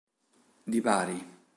Di Bari